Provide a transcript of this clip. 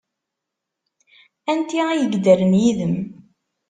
Anti ay yeddren yid-m?